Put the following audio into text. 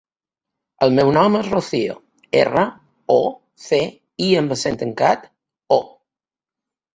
El meu nom és Rocío: erra, o, ce, i amb accent tancat, o.